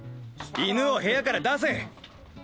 犬を部屋から出せ！